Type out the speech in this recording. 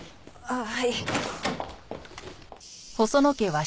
ああはい。